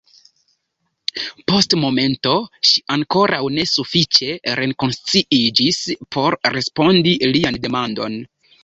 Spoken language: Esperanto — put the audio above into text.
Post momento ŝi ankoraŭ ne sufiĉe rekonsciiĝis por respondi lian demandon.